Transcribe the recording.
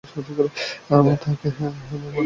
আমি তাঁকে বরকত দান করেছিলাম এবং ইসহাককেও।